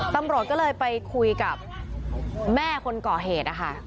ตำรวจก็เลยไปคุยกับแม่คนก่อเหตุนะคะ